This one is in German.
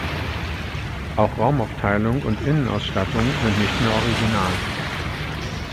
Auch Raumaufteilung und Innenausstattung sind nicht mehr original.